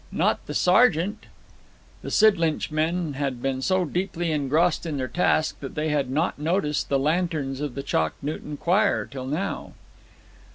'Not the sergeant?' The Sidlinch men had been so deeply engrossed in their task that they had not noticed the lanterns of the Chalk Newton choir till now.